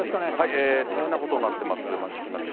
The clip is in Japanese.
大変なことになっています、益城町。